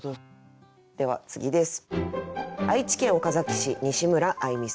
では次です。